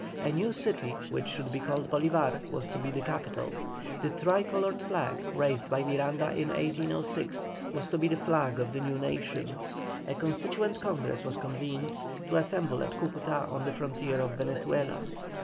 A new city, which should be called Bolívar, was to be the capital. The tri coloured flag raised by Miranda in 1806 was to be the flag of the new nation. A Constituent Congress was convened, to assemble at Cúcuta on the frontier of Venezuela.